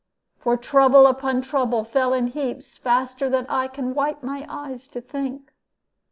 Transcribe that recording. For trouble upon trouble fell in heaps, faster than I can wipe my eyes to think.